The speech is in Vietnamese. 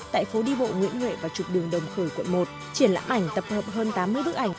tại phố đi bộ nguyễn huệ và trục đường đồng khởi quận một triển lãm ảnh tập hợp hơn tám mươi bức ảnh